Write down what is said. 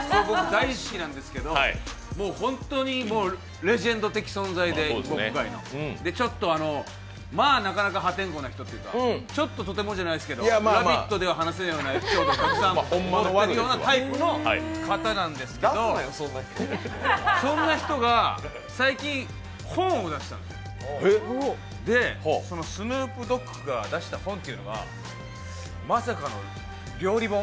大好きなんですけど、本当にレジェンド的存在でまあなかなか破天荒な人というかちょっととてもじゃないですけど、「ラヴィット！」では話せないエピソードがたくさんな方なんですけれどもそんな人が最近、本を出したんですスヌープ・ドッグが出した本というのがまさかの料理本。